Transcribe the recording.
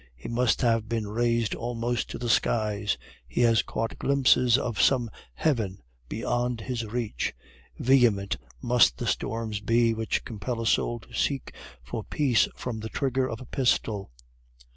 He must have been raised almost to the skies; he has caught glimpses of some heaven beyond his reach. Vehement must the storms be which compel a soul to seek for peace from the trigger of a pistol.